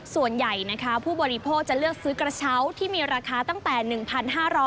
ส่วนใหญ่นะคะผู้บริโภคจะเลือกซื้อกระเช้าที่มีราคาตั้งแต่๑๕๐๐บาท